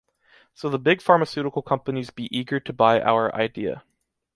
So the big pharmaceutical companies be eager to buy our idea